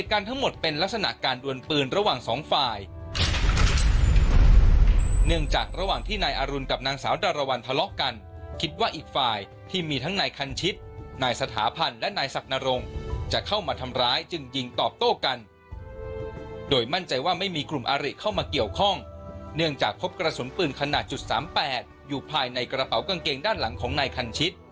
กระสุนปืนขนาดจุดสามแปดอยู่ภายในกระเป๋ากางเกงด้านหลังของนายคันชิต